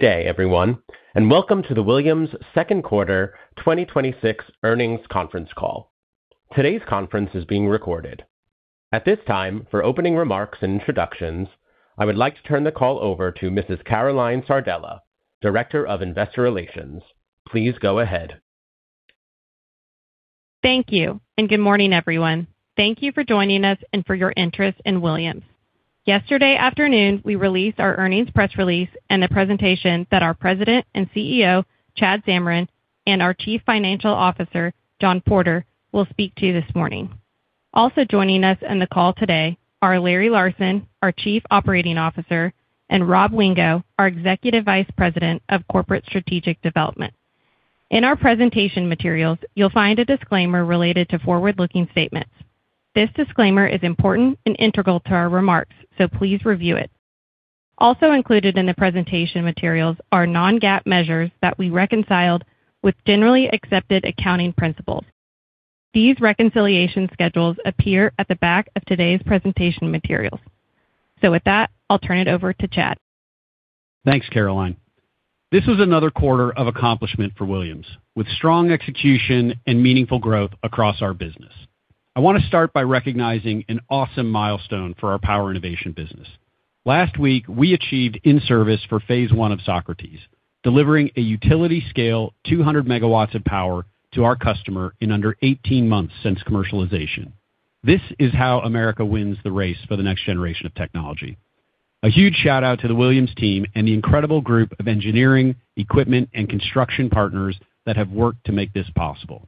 Good day everyone, welcome to the Williams second quarter 2026 earnings conference call. Today's conference is being recorded. At this time, for opening remarks and introductions, I would like to turn the call over to Mrs. Caroline Sardella, Director of Investor Relations. Please go ahead. Thank you, good morning, everyone. Thank you for joining us and for your interest in Williams. Yesterday afternoon, we released our earnings press release and the presentation that our President and Chief Executive Officer, Chad Zamarin, and our Chief Financial Officer, John Porter, will speak to you this morning. Also joining us on the call today are Larry Larsen, our Chief Operating Officer, and Rob Wingo, our Executive Vice President of Corporate Strategic Development. In our presentation materials, you'll find a disclaimer related to forward-looking statements. This disclaimer is important and integral to our remarks, please review it. Also included in the presentation materials are non-GAAP measures that we reconciled with generally accepted accounting principles. These reconciliation schedules appear at the back of today's presentation materials. With that, I'll turn it over to Chad. Thanks, Caroline. This is another quarter of accomplishment for Williams, with strong execution and meaningful growth across our business. I want to start by recognizing an awesome milestone for our Power Innovation business. Last week, we achieved in-service for Phase 1 of Socrates, delivering a utility scale 200 MW of power to our customer in under 18 months since commercialization. This is how America wins the race for the next generation of technology. A huge shout-out to the Williams team and the incredible group of engineering, equipment, and construction partners that have worked to make this possible.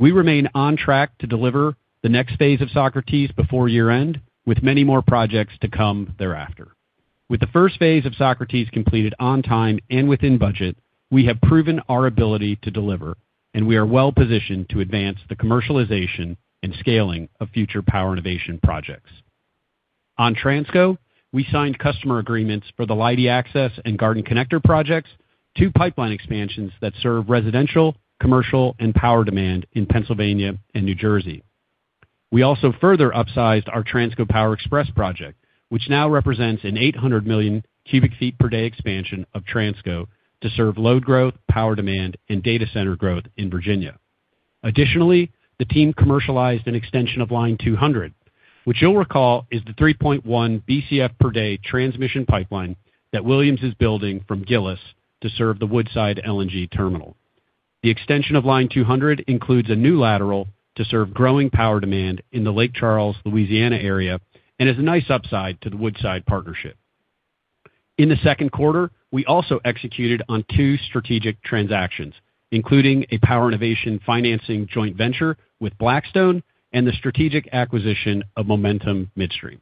We remain on track to deliver the next phase of Socrates before year-end, with many more projects to come thereafter. With the Phase 1 of Socrates completed on time and within budget, we have proven our ability to deliver, and we are well-positioned to advance the commercialization and scaling of future Power Innovation projects. On Transco, we signed customer agreements for the Leidy Access and Garden Connector projects, two pipeline expansions that serve residential, commercial, and power demand in Pennsylvania and New Jersey. We also further upsized our Transco Power Express project, which now represents an 800 million cubic feet per day expansion of Transco to serve load growth, power demand, and data center growth in Virginia. Additionally, the team commercialized an extension of Line 200, which you'll recall is the 3.1 Bcf/day transmission pipeline that Williams is building from Gillis to serve the Woodside LNG terminal. The extension of Line 200 includes a new lateral to serve growing power demand in the Lake Charles, Louisiana area and is a nice upside to the Woodside partnership. In the second quarter, we also executed on two strategic transactions, including a Power Innovation financing joint venture with Blackstone and the strategic acquisition of Momentum Midstream.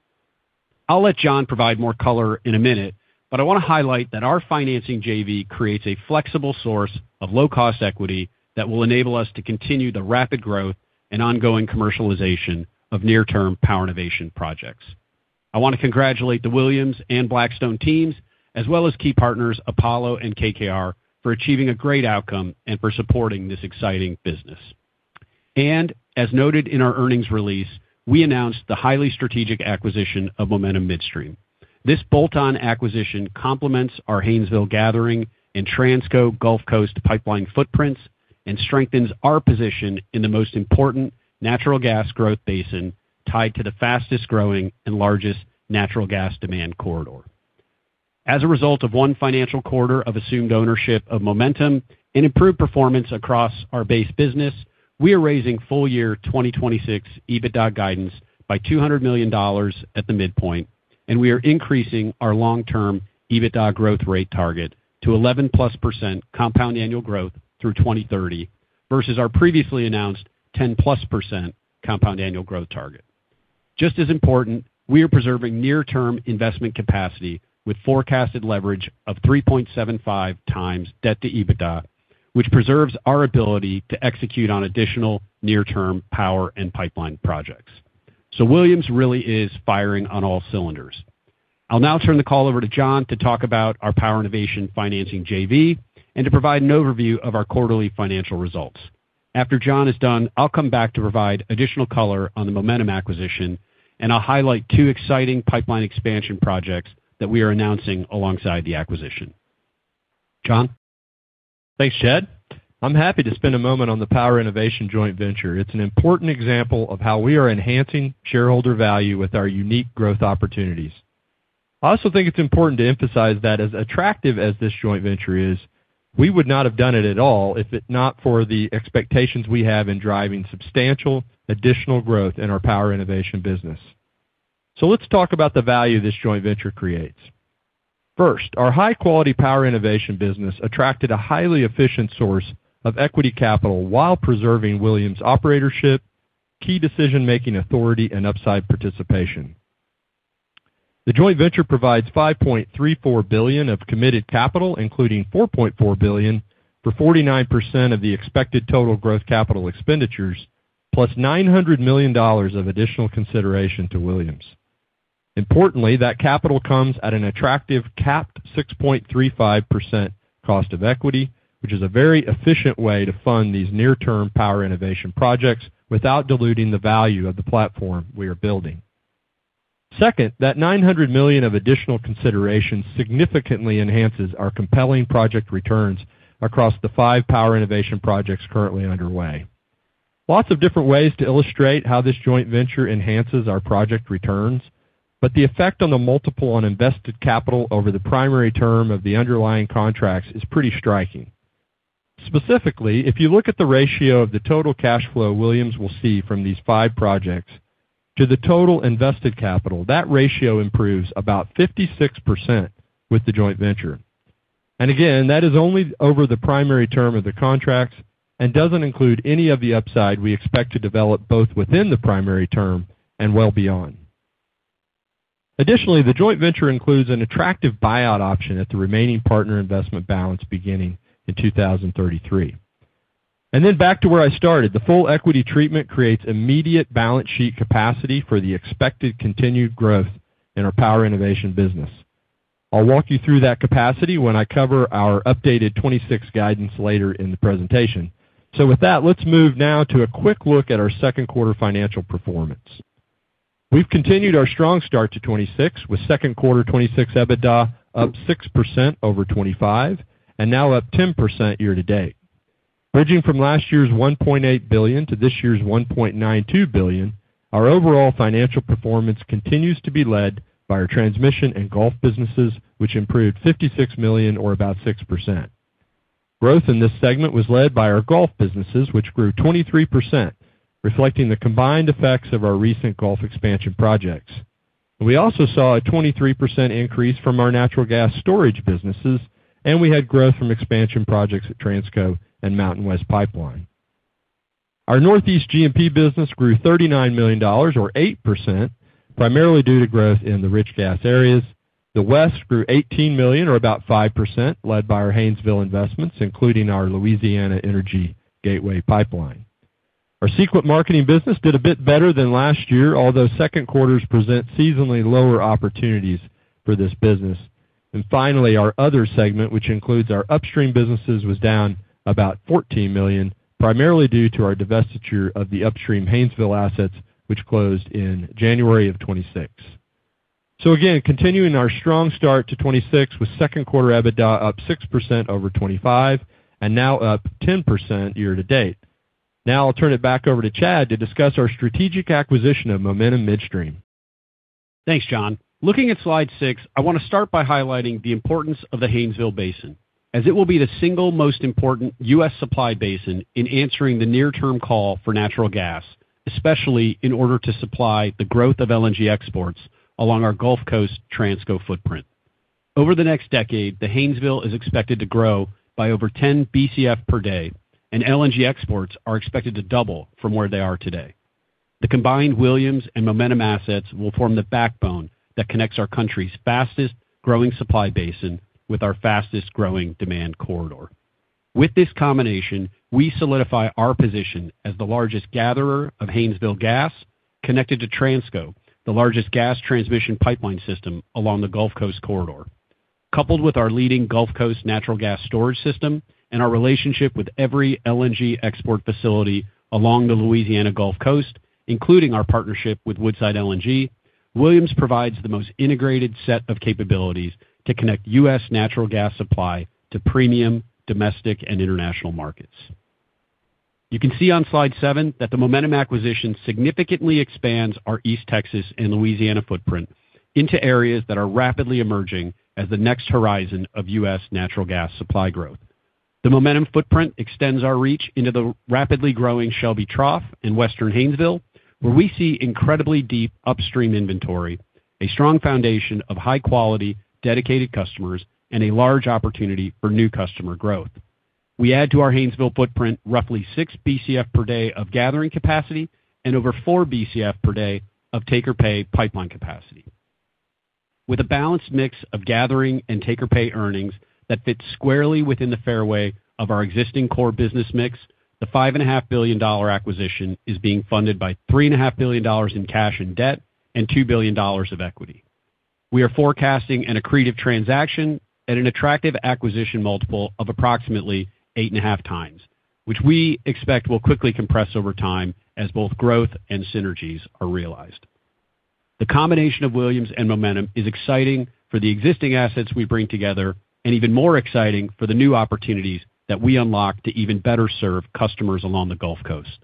I'll let John provide more color in a minute, but I want to highlight that our financing JV creates a flexible source of low-cost equity that will enable us to continue the rapid growth and ongoing commercialization of near-term Power Innovation projects. I want to congratulate the Williams and Blackstone teams, as well as key partners Apollo and KKR, for achieving a great outcome and for supporting this exciting business. As noted in our earnings release, we announced the highly strategic acquisition of Momentum Midstream. This bolt-on acquisition complements our Haynesville Gathering and Transco Gulf Coast pipeline footprints and strengthens our position in the most important natural gas growth basin tied to the fastest-growing and largest natural gas demand corridor. As a result of one financial quarter of assumed ownership of Momentum and improved performance across our base business, we are raising full year 2026 EBITDA guidance by $200 million at the midpoint, and we are increasing our long-term EBITDA growth rate target to 11%+ compound annual growth through 2030 versus our previously announced 10%+ compound annual growth target. Just as important, we are preserving near-term investment capacity with forecasted leverage of 3.75x debt-to-EBITDA, which preserves our ability to execute on additional near-term power and pipeline projects. Williams really is firing on all cylinders. I'll now turn the call over to John to talk about our Power Innovation financing JV and to provide an overview of our quarterly financial results. After John is done, I'll come back to provide additional color on the Momentum acquisition, and I'll highlight two exciting pipeline expansion projects that we are announcing alongside the acquisition. John? Thanks, Chad. I'm happy to spend a moment on the Power Innovation joint venture. It's an important example of how we are enhancing shareholder value with our unique growth opportunities. I also think it's important to emphasize that as attractive as this joint venture is, we would not have done it at all if it not for the expectations we have in driving substantial additional growth in our Power Innovation business. Let's talk about the value this joint venture creates. First, our high-quality Power Innovation business attracted a highly efficient source of equity capital while preserving Williams' operatorship, key decision-making authority, and upside participation. The joint venture provides $5.34 billion of committed capital, including $4.4 billion for 49% of the expected total growth capital expenditures, +$900 million of additional consideration to Williams. Importantly, that capital comes at an attractive capped 6.35% cost of equity, which is a very efficient way to fund these near-term Power Innovation projects without diluting the value of the platform we are building. Second, that $900 million of additional consideration significantly enhances our compelling project returns across the five Power Innovation projects currently underway. Lots of different ways to illustrate how this joint venture enhances our project returns, the effect on the multiple on invested capital over the primary term of the underlying contracts is pretty striking. Specifically, if you look at the ratio of the total cash flow Williams will see from these five projects to the total invested capital, that ratio improves about 56% with the joint venture. Again, that is only over the primary term of the contracts and doesn't include any of the upside we expect to develop both within the primary term and well beyond. Additionally, the joint venture includes an attractive buyout option at the remaining partner investment balance beginning in 2033. Back to where I started. The full equity treatment creates immediate balance sheet capacity for the expected continued growth in our Power Innovation business. I'll walk you through that capacity when I cover our updated 2026 guidance later in the presentation. With that, let's move now to a quick look at our second quarter financial performance. We've continued our strong start to 2026 with second quarter 2026 EBITDA up 6% over 2025 and now up 10% year-to-date. Bridging from last year's $1.8 billion to this year's $1.92 billion, our overall financial performance continues to be led by our Transmission & Gulf businesses, which improved $56 million or about 6%. Growth in this segment was led by our Gulf businesses, which grew 23%, reflecting the combined effects of our recent Gulf expansion projects. We also saw a 23% increase from our natural gas storage businesses, and we had growth from expansion projects at Transco and MountainWest Pipeline. Our Northeast G&P business grew $39 million, or 8%, primarily due to growth in the rich gas areas. The West grew $18 million, or about 5%, led by our Haynesville investments, including our Louisiana Energy Gateway pipeline. Our Sequent marketing business did a bit better than last year, although second quarters present seasonally lower opportunities for this business. Finally, our other segment, which includes our upstream businesses, was down about $14 million, primarily due to our divestiture of the upstream Haynesville assets, which closed in January of 2026. Again, continuing our strong start to 2026 with second quarter EBITDA up 6% over 2025 and now up 10% year-to-date. Now I'll turn it back over to Chad to discuss our strategic acquisition of Momentum Midstream. Thanks, John. Looking at slide six, I want to start by highlighting the importance of the Haynesville basin, as it will be the single most important U.S. supply basin in answering the near term call for natural gas, especially in order to supply the growth of LNG exports along our Gulf Coast Transco footprint. Over the next decade, the Haynesville is expected to grow by over 10 Bcf/day, and LNG exports are expected to double from where they are today. The combined Williams and Momentum assets will form the backbone that connects our country's fastest growing supply basin with our fastest growing demand corridor. With this combination, we solidify our position as the largest gatherer of Haynesville gas connected to Transco, the largest gas transmission pipeline system along the Gulf Coast corridor. Coupled with our leading Gulf Coast natural gas storage system and our relationship with every LNG export facility along the Louisiana Gulf Coast, including our partnership with Woodside LNG, Williams provides the most integrated set of capabilities to connect U.S. natural gas supply to premium domestic and international markets. You can see on slide seven that the Momentum acquisition significantly expands our East Texas and Louisiana footprint into areas that are rapidly emerging as the next horizon of U.S. natural gas supply growth. The Momentum footprint extends our reach into the rapidly growing Shelby Trough in Western Haynesville, where we see incredibly deep upstream inventory, a strong foundation of high quality dedicated customers, and a large opportunity for new customer growth. We add to our Haynesville footprint roughly 6 Bcf/day of gathering capacity and over 4 Bcf/day of take-or-pay pipeline capacity. With a balanced mix of gathering and take-or-pay earnings that fits squarely within the fairway of our existing core business mix, the $5.5 billion acquisition is being funded by $3.5 billion in cash and debt and $2 billion of equity. We are forecasting an accretive transaction at an attractive acquisition multiple of approximately 8.5x, which we expect will quickly compress over time as both growth and synergies are realized. The combination of Williams and Momentum is exciting for the existing assets we bring together and even more exciting for the new opportunities that we unlock to even better serve customers along the Gulf Coast.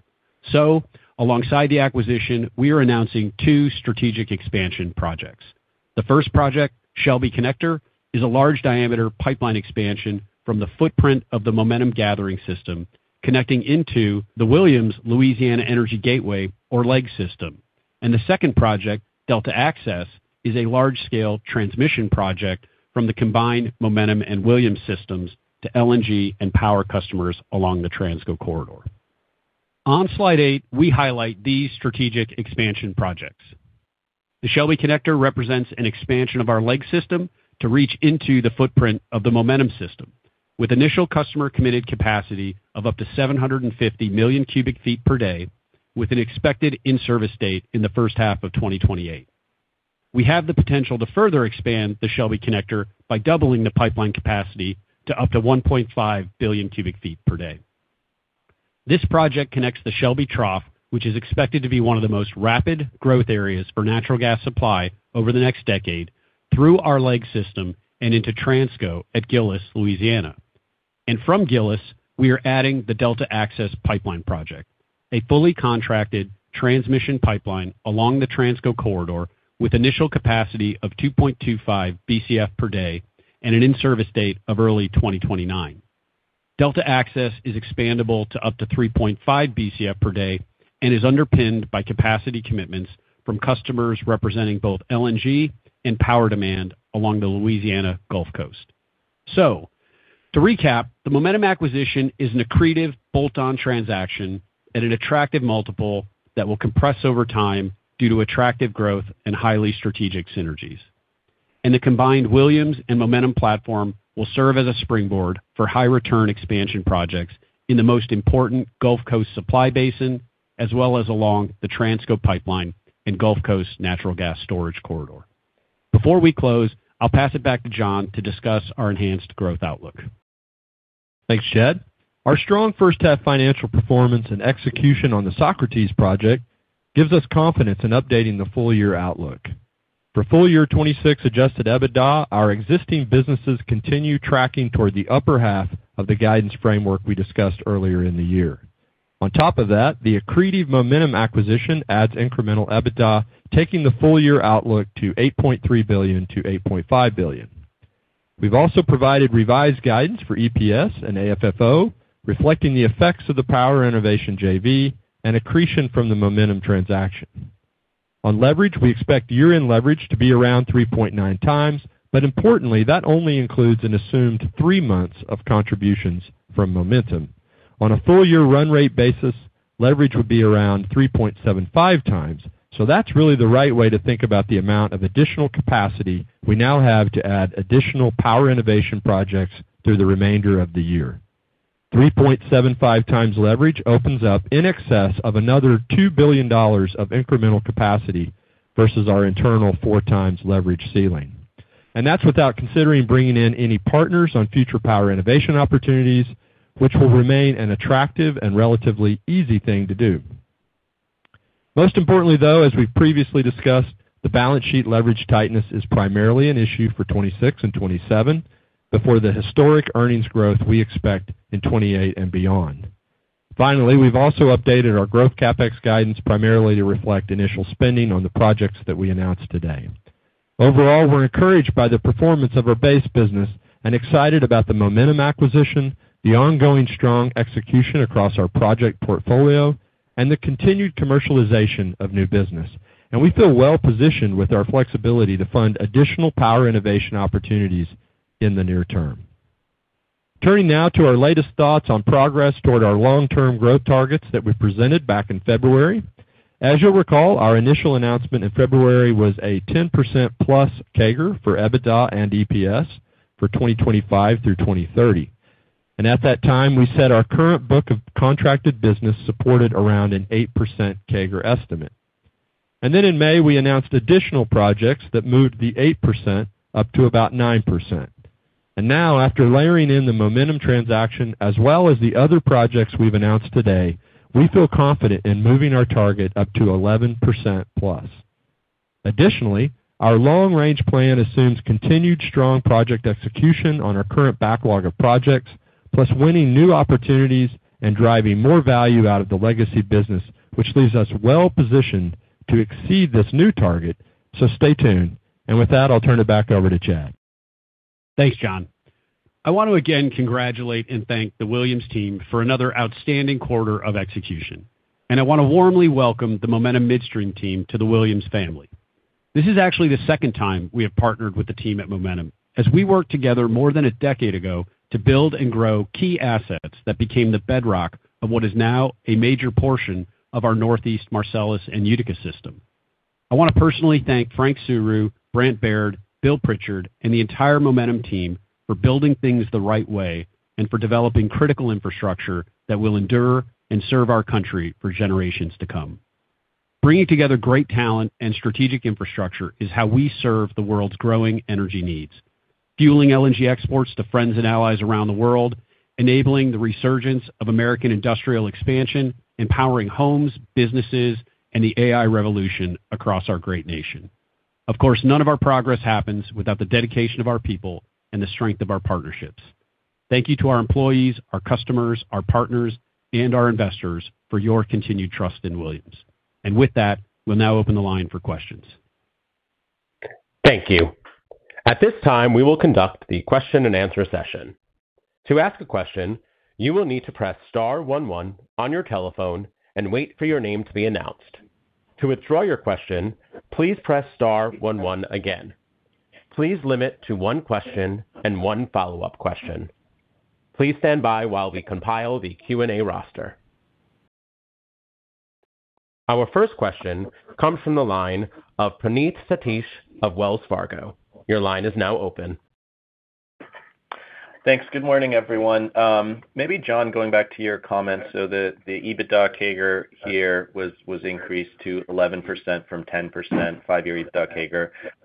Alongside the acquisition, we are announcing two strategic expansion projects. The first project, Shelby Connector, is a large diameter pipeline expansion from the footprint of the Momentum gathering system, connecting into the Williams Louisiana Energy Gateway, or LEG system. The second project, Delta Access, is a large-scale transmission project from the combined Momentum and Williams systems to LNG and power customers along the Transco corridor. On slide eight, we highlight these strategic expansion projects. The Shelby Connector represents an expansion of our LEG system to reach into the footprint of the Momentum system with initial customer committed capacity of up to 750 million cubic feet per day with an expected in-service date in the first half of 2028. We have the potential to further expand the Shelby Connector by doubling the pipeline capacity to up to 1.5 billion cubic feet per day. This project connects the Shelby Trough, which is expected to be one of the most rapid growth areas for natural gas supply over the next decade, through our LEG system and into Transco at Gillis, Louisiana. From Gillis, we are adding the Delta Access Pipeline Project, a fully contracted transmission pipeline along the Transco corridor with initial capacity of 2.25 Bcf/day and an in-service date of early 2029. Delta Access is expandable to up to 3.5 Bcf/day and is underpinned by capacity commitments from customers representing both LNG and power demand along the Louisiana Gulf Coast. To recap, the Momentum acquisition is an accretive bolt-on transaction at an attractive multiple that will compress over time due to attractive growth and highly strategic synergies. The combined Williams and Momentum platform will serve as a springboard for high return expansion projects in the most important Gulf Coast supply basin, as well as along the Transco Pipeline and Gulf Coast natural gas storage corridor. Before we close, I'll pass it back to John to discuss our enhanced growth outlook. Thanks, Chad. Our strong first-half financial performance and execution on the Socrates project gives us confidence in updating the full-year outlook. For full-year 2026 adjusted EBITDA, our existing businesses continue tracking toward the upper half of the guidance framework we discussed earlier in the year. On top of that, the accretive Momentum acquisition adds incremental EBITDA, taking the full-year outlook to $8.3 billion-$8.5 billion. We've also provided revised guidance for EPS and AFFO, reflecting the effects of the Power Innovation JV and accretion from the Momentum transaction. On leverage, we expect year-end leverage to be around 3.9x, but importantly, that only includes an assumed three months of contributions from Momentum. On a full-year run rate basis, leverage would be around 3.75x, that's really the right way to think about the amount of additional capacity we now have to add additional Power Innovation projects through the remainder of the year. 3.75x leverage opens up in excess of another $2 billion of incremental capacity versus our internal 4x leverage ceiling. That's without considering bringing in any partners on future Power Innovation opportunities, which will remain an attractive and relatively easy thing to do. Most importantly, though, as we've previously discussed, the balance sheet leverage tightness is primarily an issue for 2026 and 2027 before the historic earnings growth we expect in 2028 and beyond. We've also updated our growth CapEx guidance primarily to reflect initial spending on the projects that we announced today. Overall, we're encouraged by the performance of our base business and excited about the Momentum acquisition, the ongoing strong execution across our project portfolio, and the continued commercialization of new business. We feel well-positioned with our flexibility to fund additional Power Innovation opportunities in the near term. Turning now to our latest thoughts on progress toward our long-term growth targets that we presented back in February. As you'll recall, our initial announcement in February was a 10%+ CAGR for EBITDA and EPS for 2025 through 2030. At that time, we said our current book of contracted business supported around an 8% CAGR estimate. Then in May, we announced additional projects that moved the 8% up to about 9%. Now after layering in the Momentum transaction as well as the other projects we've announced today, we feel confident in moving our target up to 11%+. Additionally, our long-range plan assumes continued strong project execution on our current backlog of projects, plus winning new opportunities and driving more value out of the legacy business, which leaves us well-positioned to exceed this new target. Stay tuned. With that, I'll turn it back over to Chad. Thanks, John. I want to again congratulate and thank the Williams team for another outstanding quarter of execution. I want to warmly welcome the Momentum Midstream team to the Williams family. This is actually the second time we have partnered with the team at Momentum, as we worked together more than a decade ago to build and grow key assets that became the bedrock of what is now a major portion of our Northeast Marcellus and Utica system. I want to personally thank Frank Tsuru, Brant Baird, Bill Pritchard, and the entire Momentum team for building things the right way and for developing critical infrastructure that will endure and serve our country for generations to come. Bringing together great talent and strategic infrastructure is how we serve the world's growing energy needs. Fueling LNG exports to friends and allies around the world, enabling the resurgence of American industrial expansion, empowering homes, businesses, and the AI revolution across our great nation. Of course, none of our progress happens without the dedication of our people and the strength of our partnerships. Thank you to our employees, our customers, our partners, and our investors for your continued trust in Williams. With that, we'll now open the line for questions. Thank you. At this time, we will conduct the question-and-answer session. To ask a question, you will need to press star one one on your telephone and wait for your name to be announced. To withdraw your question, please press star one one again. Please limit to one question and one follow-up question. Please stand by while we compile the Q&A roster. Our first question comes from the line of Praneeth Satish of Wells Fargo. Your line is now open. Thanks. Good morning, everyone. John, going back to your comments, the EBITDA CAGR here was increased to 11% from 10%, five-year EBITDA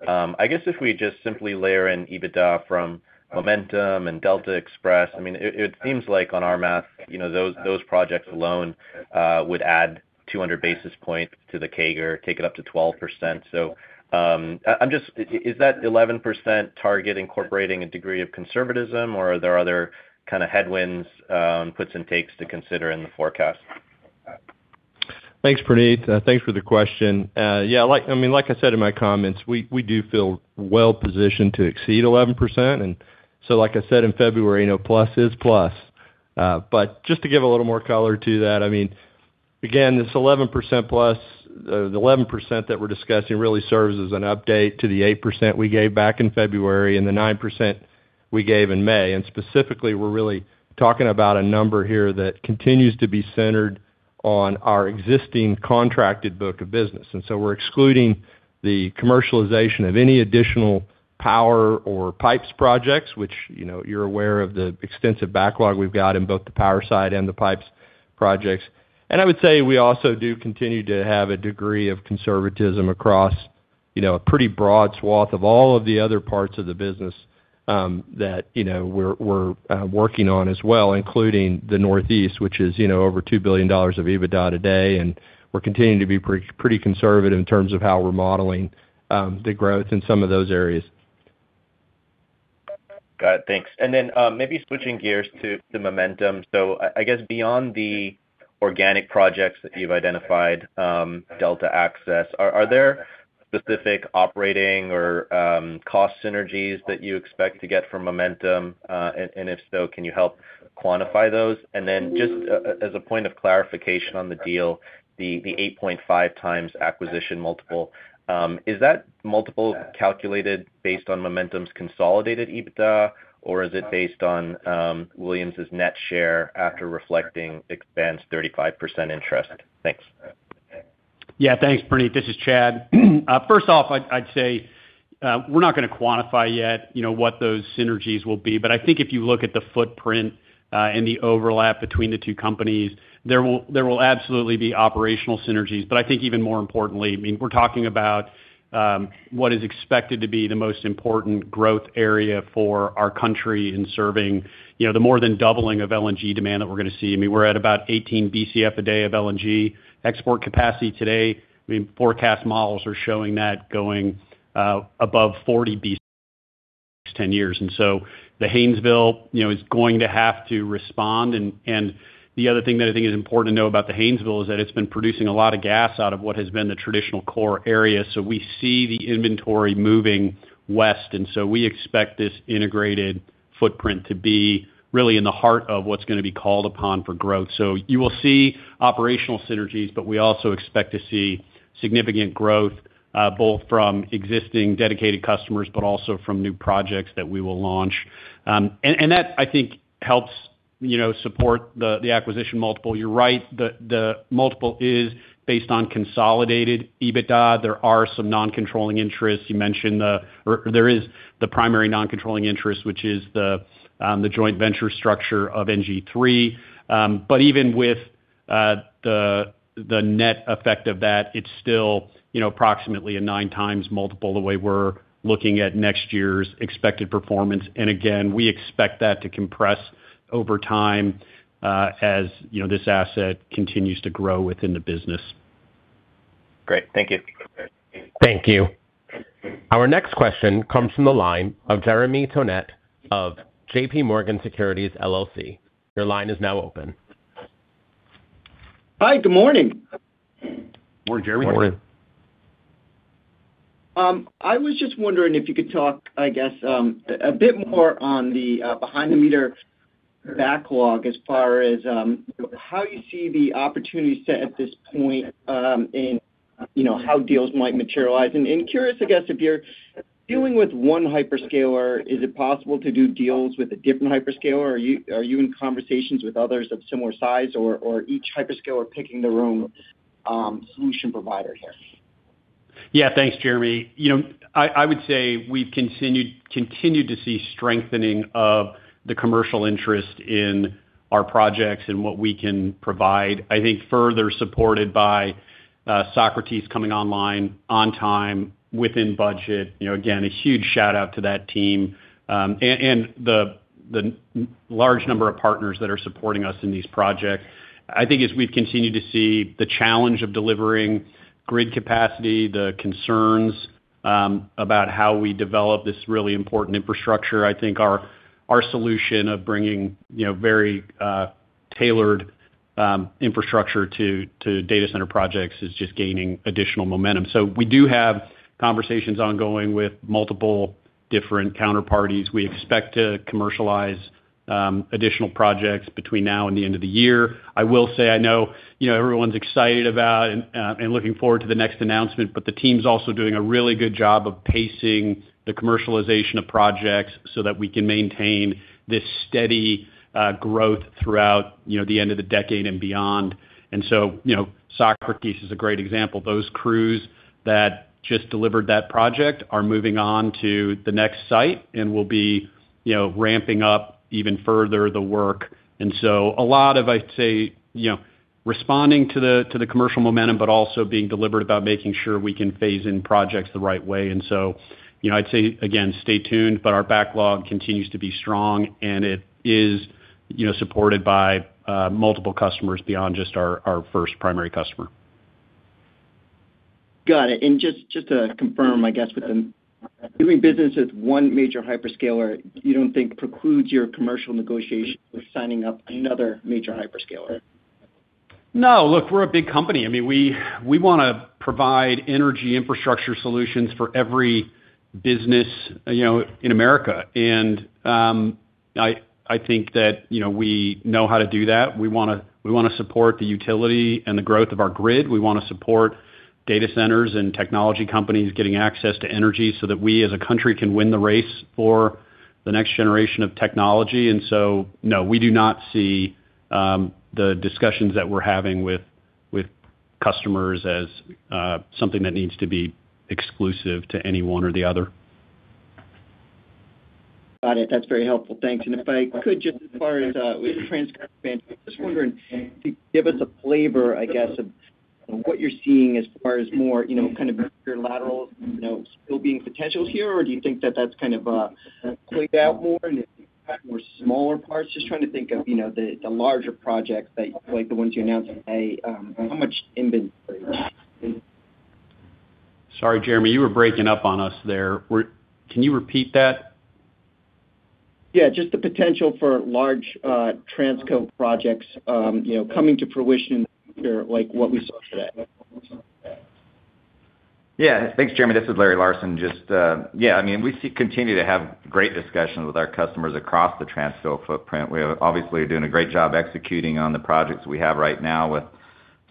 CAGR. I guess if we just simply layer in EBITDA from Momentum and Delta Access, it seems like on our math, those projects alone would add 200 basis points to the CAGR, take it up to 12%. Is that 11% target incorporating a degree of conservatism, or are there other kind of headwinds, puts and takes to consider in the forecast? Thanks, Praneeth. Thanks for the question. Yeah, like I said in my comments, we do feel well-positioned to exceed 11%. Like I said in February, plus is plus. Just to give a little more color to that, again, this 11% that we're discussing really serves as an update to the 8% we gave back in February and the 9% we gave in May. Specifically, we're really talking about a number here that continues to be centered on our existing contracted book of business. We're excluding the commercialization of any additional power or pipes projects, which you're aware of the extensive backlog we've got in both the power side and the pipes projects. I would say we also do continue to have a degree of conservatism across a pretty broad swath of all of the other parts of the business that we're working on as well, including the Northeast, which is over $2 billion of EBITDA today. We're continuing to be pretty conservative in terms of how we're modeling the growth in some of those areas. Got it. Thanks. Maybe switching gears to the Momentum. I guess beyond the organic projects that you've identified, Delta Access, are there specific operating or cost synergies that you expect to get from Momentum? If so, can you help quantify those? Just as a point of clarification on the deal, the 8.5x acquisition multiple, is that multiple calculated based on Momentum's consolidated EBITDA, or is it based on Williams' net share after reflecting its 35% interest? Thanks. Thanks, Praneeth. This is Chad. First off, I'd say we're not going to quantify yet what those synergies will be. I think if you look at the footprint and the overlap between the two companies, there will absolutely be operational synergies. I think even more importantly, we're talking about what is expected to be the most important growth area for our country in serving the more than doubling of LNG demand that we're going to see. We're at about 18 Bcf/day of LNG export capacity today. Forecast models are showing that going above 40 Bcf 10 years. The Haynesville is going to have to respond, and the other thing that I think is important to know about the Haynesville is that it's been producing a lot of gas out of what has been the traditional core area. We see the inventory moving west, and we expect this integrated footprint to be really in the heart of what's going to be called upon for growth. You will see operational synergies, but we also expect to see significant growth, both from existing dedicated customers, but also from new projects that we will launch. That, I think, helps support the acquisition multiple. You're right, the multiple is based on consolidated EBITDA. There are some non-controlling interests. You mentioned there is the primary non-controlling interest, which is the joint venture structure of NG3. Even with the net effect of that, it's still approximately a nine times multiple the way we're looking at next year's expected performance. Again, we expect that to compress over time as this asset continues to grow within the business. Great. Thank you. Thank you. Our next question comes from the line of Jeremy Tonet of JPMorgan Securities LLC. Your line is now open. Hi. Good morning. Morning, Jeremy. Morning. I was just wondering if you could talk, I guess, a bit more on the behind-the-meter backlog as far as how you see the opportunity set at this point, and how deals might materialize. Curious, I guess, if you're dealing with one hyperscaler, is it possible to do deals with a different hyperscaler? Are you in conversations with others of similar size or each hyperscaler picking their own solution provider here? Yeah. Thanks, Jeremy. I would say we've continued to see strengthening of the commercial interest in our projects and what we can provide, I think further supported by Socrates coming online on time, within budget. Again, a huge shout-out to that team, and the large number of partners that are supporting us in these projects. I think as we've continued to see the challenge of delivering grid capacity, the concerns about how we develop this really important infrastructure, I think our solution of bringing very tailored infrastructure to data center projects is just gaining additional momentum. We do have conversations ongoing with multiple different counterparties. We expect to commercialize additional projects between now and the end of the year. I will say, I know everyone's excited about and looking forward to the next announcement, but the team's also doing a really good job of pacing the commercialization of projects so that we can maintain this steady growth throughout the end of the decade and beyond. Socrates is a great example. Those crews that just delivered that project are moving on to the next site and will be ramping up even further the work. Responding to the commercial Momentum, but also being deliberate about making sure we can phase in projects the right way. I'd say, again, stay tuned, but our backlog continues to be strong, and it is supported by multiple customers beyond just our first primary customer. Got it. Just to confirm, I guess, with the doing business with one major hyperscaler, you don't think precludes your commercial negotiation with signing up another major hyperscaler? No. Look, we're a big company. We want to provide energy infrastructure solutions for every business in America. I think that we know how to do that. We want to support the utility and the growth of our grid. We want to support data centers and technology companies getting access to energy so that we as a country can win the race for the next generation of technology. No, we do not see the discussions that we're having with customers as something that needs to be exclusive to any one or the other. Got it. That's very helpful. Thanks. If I could, just as far as with the Transco expansion, just wondering to give us a flavor, I guess, of what you're seeing as far as more kind of your lateral still being potentials here, or do you think that that's kind of played out more and you have more smaller parts? Just trying to think of the larger projects like the ones you announced at Analyst Day, how much inventory? Sorry, Jeremy, you were breaking up on us there. Can you repeat that? Yeah, just the potential for large Transco projects coming to fruition like what we saw today. Yeah. Thanks, Jeremy. This is Larry Larsen. Just yeah, we continue to have great discussions with our customers across the Transco footprint. We are obviously doing a great job executing on the projects we have right now with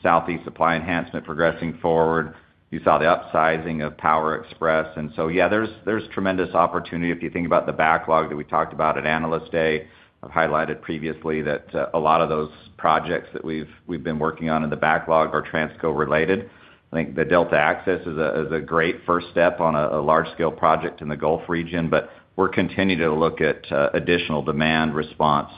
Southeast Supply Enhancement progressing forward. You saw the upsizing of Power Express. There's tremendous opportunity if you think about the backlog that we talked about at Analyst Day. I've highlighted previously that a lot of those projects that we've been working on in the backlog are Transco-related. I think the Delta Access is a great first step on a large-scale project in the Gulf region, we're continuing to look at additional demand response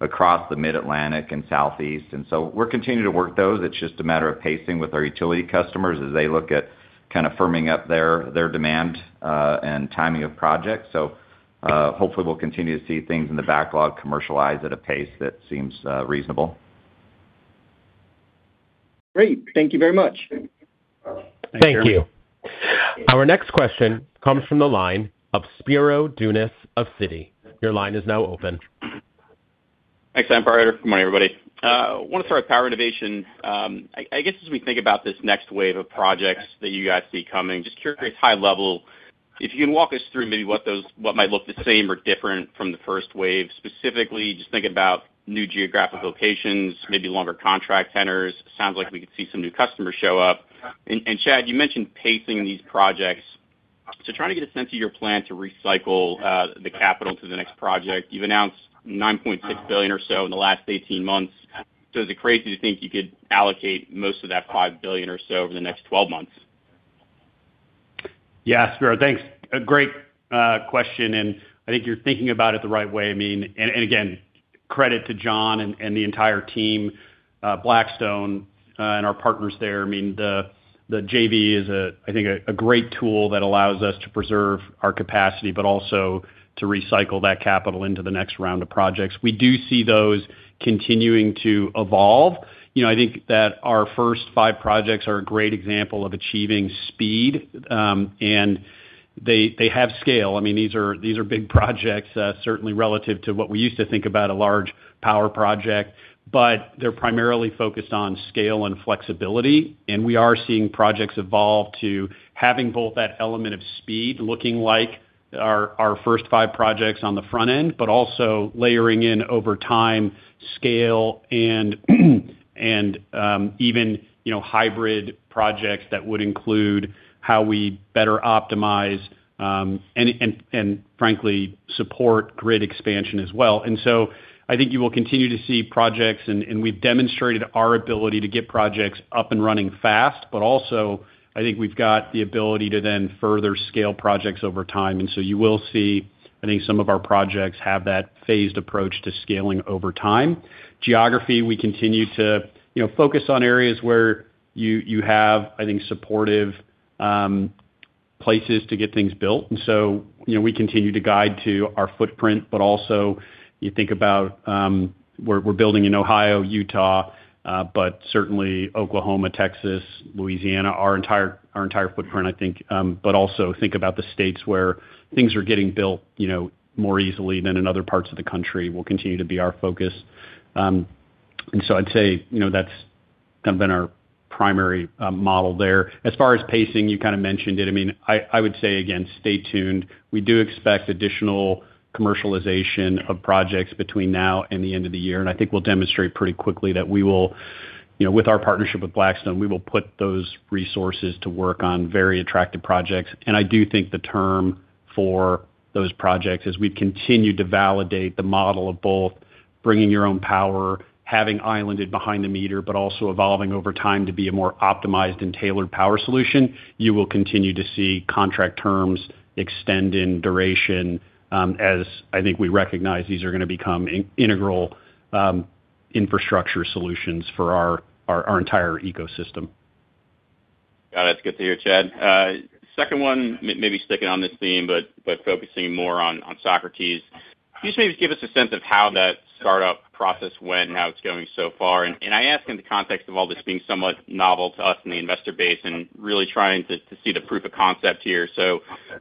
across the Mid-Atlantic and Southeast. We're continuing to work those. It's just a matter of pacing with our utility customers as they look at kind of firming up their demand and timing of projects. Hopefully we'll continue to see things in the backlog commercialize at a pace that seems reasonable. Great. Thank you very much. Thank you. Thank you. Our next question comes from the line of Spiro Dounis of Citi. Your line is now open. Thanks, operator. Good morning, everybody. I want to start with Power Innovation. I guess, as we think about this next wave of projects that you guys see coming, just curious high level, if you can walk us through maybe what might look the same or different from the first wave. Specifically, just thinking about new geographic locations, maybe longer contract tenors. Sounds like we could see some new customers show up. Chad, you mentioned pacing these projects. Trying to get a sense of your plan to recycle the capital to the next project. You've announced $9.6 billion or so in the last 18 months. Is it crazy to think you could allocate most of that $5 billion or so over the next 12 months? Spiro, thanks. A great question, and I think you're thinking about it the right way. Again, credit to John and the entire team, Blackstone, and our partners there. The JV is, I think, a great tool that allows us to preserve our capacity, but also to recycle that capital into the next round of projects. We do see those continuing to evolve. I think that our first five projects are a great example of achieving speed, and they have scale. These are big projects, certainly relative to what we used to think about a large power project. They're primarily focused on scale and flexibility, and we are seeing projects evolve to having both that element of speed, looking like our first five projects on the front end, but also layering in over time, scale, and even hybrid projects that would include how we better optimize and frankly, support grid expansion as well. I think you will continue to see projects, and we've demonstrated our ability to get projects up and running fast. Also, I think we've got the ability to then further scale projects over time. You will see, I think some of our projects have that phased approach to scaling over time. Geography, we continue to focus on areas where you have, I think, supportive places to get things built. We continue to guide to our footprint, but also you think about where we're building in Ohio, Utah, but certainly Oklahoma, Texas, Louisiana, our entire footprint, I think. Also think about the states where things are getting built more easily than in other parts of the country will continue to be our focus. I'd say, that's kind of been our primary model there. As far as pacing, you kind of mentioned it. I would say again, stay tuned. We do expect additional commercialization of projects between now and the end of the year. I think we'll demonstrate pretty quickly that with our partnership with Blackstone, we will put those resources to work on very attractive projects. I do think the term for those projects, as we continue to validate the model of both bringing your own power, having islanded behind the meter, but also evolving over time to be a more optimized and tailored power solution, you will continue to see contract terms extend in duration, as I think we recognize these are going to become integral infrastructure solutions for our entire ecosystem. Got it. It's good to hear, Chad. Second one, maybe sticking on this theme, but focusing more on Socrates. Can you just maybe give us a sense of how that startup process went and how it's going so far? I ask in the context of all this being somewhat novel to us in the investor base and really trying to see the proof of concept here.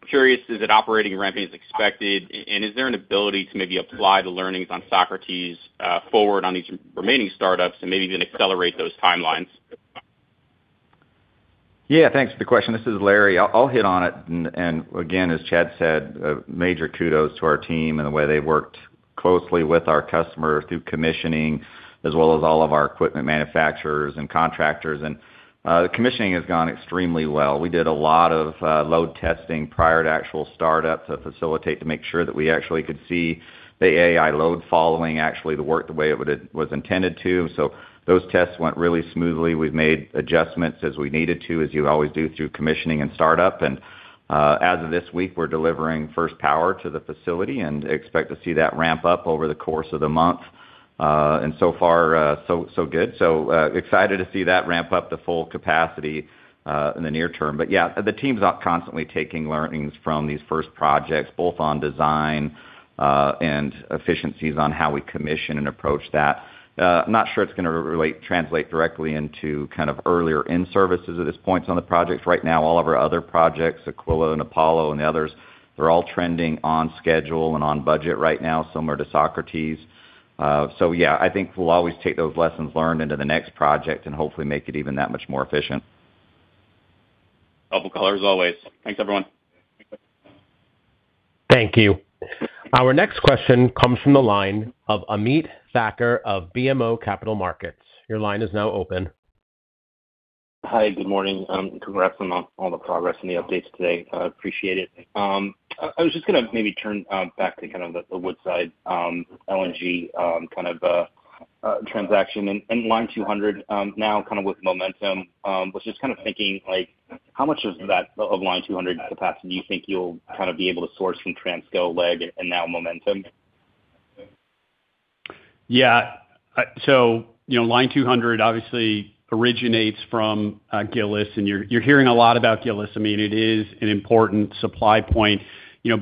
Curious, is it operating ramp as expected? Is there an ability to maybe apply the learnings on Socrates forward on each remaining startups and maybe then accelerate those timelines? Thanks for the question. This is Larry. I'll hit on it. Again, as Chad said, major kudos to our team and the way they worked closely with our customer through commissioning as well as all of our equipment manufacturers and contractors. The commissioning has gone extremely well. We did a lot of load testing prior to actual startup to facilitate to make sure that we actually could see the AI load following work the way it was intended to. Those tests went really smoothly. We've made adjustments as we needed to, as you always do through commissioning and startup. As of this week, we're delivering first power to the facility and expect to see that ramp up over the course of the month. So far, so good. Excited to see that ramp up to full capacity in the near term. The team's out constantly taking learnings from these first projects, both on design, and efficiencies on how we commission and approach that. I'm not sure it's going to translate directly into kind of earlier in-services at this point on the project. Right now, all of our other projects, Aquila and Apollo and the others, they're all trending on schedule and on budget right now, similar to Socrates. I think we'll always take those lessons learned into the next project and hopefully make it even that much more efficient. Helpful color as always. Thanks, everyone. Thank you. Our next question comes from the line of Ameet Thakkar of BMO Capital Markets. Your line is now open. Hi. Good morning. Congrats on all the progress and the updates today. Appreciate it. I was just going to maybe turn back to the Woodside LNG transaction and Line 200 now with Momentum. Was just thinking, how much of Line 200 capacity do you think you'll be able to source from Transco LEG and now Momentum? Line 200 obviously originates from Gillis, and you're hearing a lot about Gillis. It is an important supply point.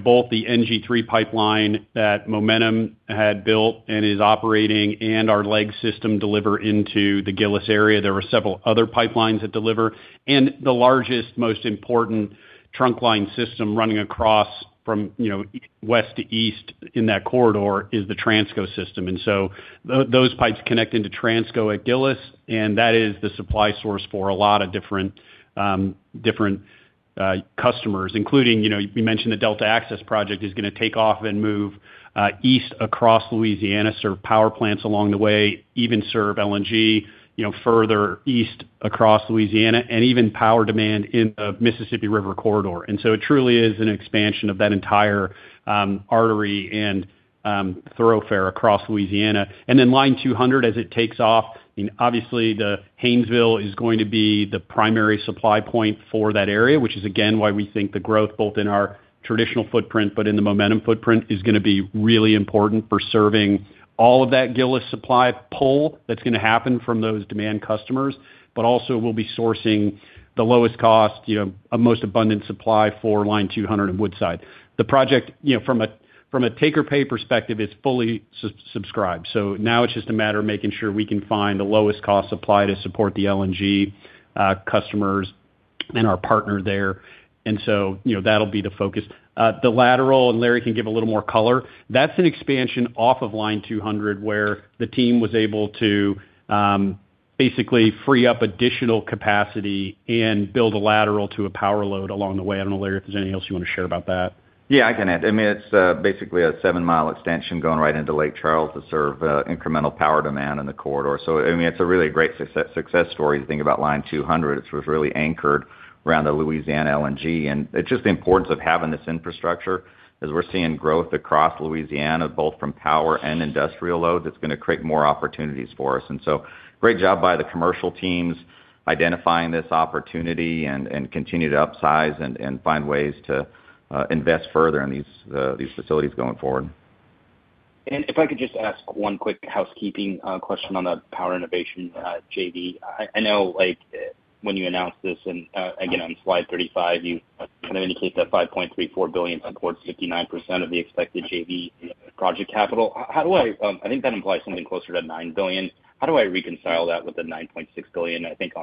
Both the NG3 pipeline that Momentum had built and is operating and our LEG system deliver into the Gillis area. There are several other pipelines that deliver. The largest, most important trunk line system running across from west to east in that corridor is the Transco system. Those pipes connect into Transco at Gillis, and that is the supply source for a lot of different customers, including, you mentioned the Delta Access project is going to take off and move east across Louisiana, serve power plants along the way, even serve LNG further east across Louisiana and even power demand in the Mississippi River Corridor. It truly is an expansion of that entire artery and thoroughfare across Louisiana. Line 200, as it takes off, obviously the Haynesville is going to be the primary supply point for that area, which is again, why we think the growth both in our traditional footprint, but in the Momentum footprint is going to be really important for serving all of that Gillis supply pull that's going to happen from those demand customers. Also we'll be sourcing the lowest cost, a most abundant supply for Line 200 in Woodside. The project, from a take or pay perspective, is fully subscribed. Now it's just a matter of making sure we can find the lowest cost supply to support the LNG customers and our partner there. That'll be the focus. The lateral, Larry can give a little more color, that's an expansion off of Line 200 where the team was able to basically free up additional capacity and build a lateral to a power load along the way. I don't know, Larry, if there's anything else you want to share about that. I can add. It's basically a 7 mi extension going right into Lake Charles to serve incremental power demand in the corridor. It's a really great success story to think about Line 200. It was really anchored around the Louisiana LNG, it's just the importance of having this infrastructure as we're seeing growth across Louisiana, both from power and industrial load, that's going to create more opportunities for us. Great job by the commercial teams identifying this opportunity and continue to upsize and find ways to invest further in these facilities going forward. If I could just ask one quick housekeeping question on the Power Innovation JV. I know when you announced this again on slide 35, you kind of indicate that $5.34 billion supports 69% of the expected JV project capital. I think that implies something closer to $9 billion. How do I reconcile that with the $9.6 billion, I think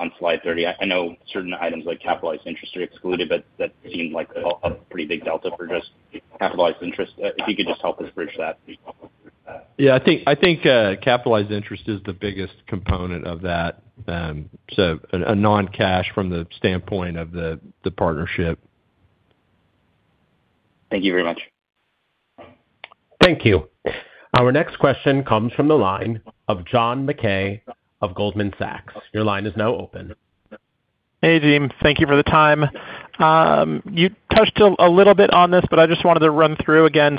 on slide 30? I know certain items like capitalized interest are excluded, but that seemed like a pretty big delta for just capitalized interest. If you could just help us bridge that. I think capitalized interest is the biggest component of that. A non-cash from the standpoint of the partnership. Thank you very much. Thank you. Our next question comes from the line of John Mackay of Goldman Sachs. Your line is now open. Hey, team. Thank you for the time. You touched a little bit on this, but I just wanted to run through again.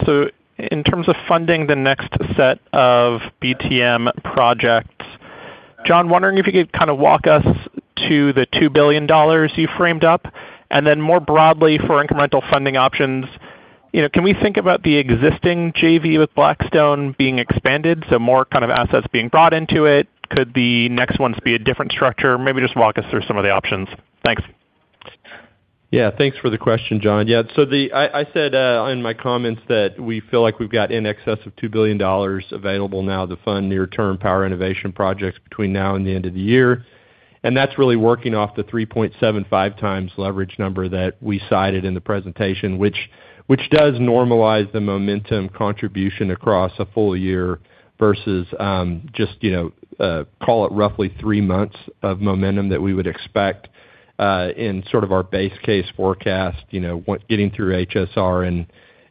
In terms of funding the next set of BTM projects, John, wondering if you could kind of walk us to the $2 billion you framed up, and then more broadly for incremental funding options. Can we think about the existing JV with Blackstone being expanded, so more kind of assets being brought into it? Could the next ones be a different structure? Maybe just walk us through some of the options. Thanks. Thanks for the question, John. I said in my comments that we feel like we've got in excess of $2 billion available now to fund near-term Power Innovation projects between now and the end of the year. That's really working off the 3.75x leverage number that we cited in the presentation, which does normalize the Momentum contribution across a full year versus just call it roughly three months of Momentum that we would expect in sort of our base case forecast, getting through HSR